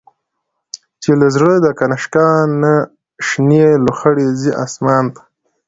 چی له زړه د”کنشکا”نه، شنی لو خړی ځی آسمان ته